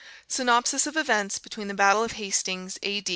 SYNOPSIS OF EVENTS BETWEEN THE BATTLE OF HASTINGS, A.